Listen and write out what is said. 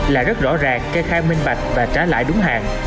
là rất rõ ràng kê khai minh bạch và trả lãi đúng hạn